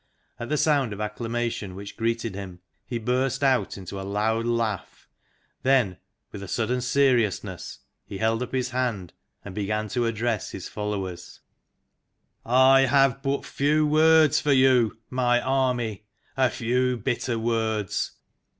At the sound of acclamation which greeted him he burst AT BIRMINGHAM TOWN HALL 7 out into a loud laugh; then with a sudden serious ness he held up his hand and began to address his followers :" I have but few words for you, my army, a few bitter words.